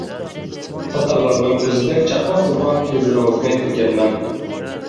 تاتارلارنىڭ كۆزىدەك چاقناپ تۇرغان كۆزلىرىڭىزنى كۆرگەنمەن.